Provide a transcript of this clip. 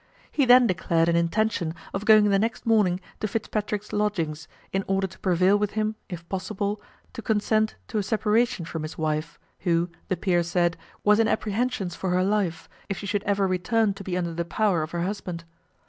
He then declared an intention of going the next morning to Fitzpatrick's lodgings, in order to prevail with him, if possible, to consent to a separation from his wife, who, the peer said, was in apprehensions for her life, if she should ever return to be under the power of her husband.